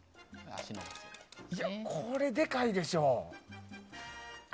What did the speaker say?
これ、でかいでしょ。